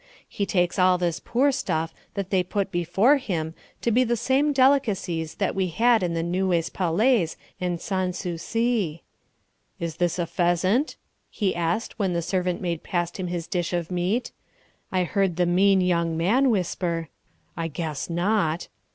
He takes all this poor stuff that they put before him to be the same delicacies that we had at the Neues Palais and Sans Souci. "Is this a pheasant?" he asked when the servant maid passed him his dish of meat. I heard the mean young man whisper, "I guess not."